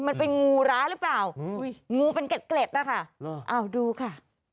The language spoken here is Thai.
มันเป็นงูร้าหรือเปล่างูเป็นเกล็ดนะคะอ้าวดูค่ะ